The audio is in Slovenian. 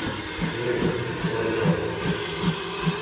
V redu, to ni to.